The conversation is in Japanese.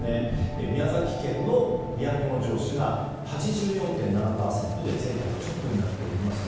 宮崎県の都城市が８４．７％で全国トップになっております。